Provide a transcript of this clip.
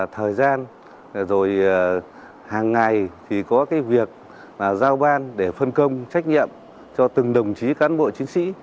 thời gian rồi hàng ngày thì có cái việc giao ban để phân công trách nhiệm cho từng đồng chí cán bộ chiến sĩ